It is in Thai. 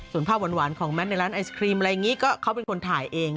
ส่วนภาพหวานของแมทในร้านไอศครีมอะไรอย่างนี้ก็เขาเป็นคนถ่ายเอง